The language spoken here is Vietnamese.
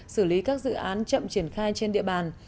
xử lý các dự án chậm triển khai trên địa bàn